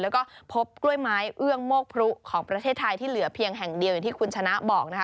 แล้วก็พบกล้วยไม้เอื้องโมกพรุของประเทศไทยที่เหลือเพียงแห่งเดียวอย่างที่คุณชนะบอกนะคะ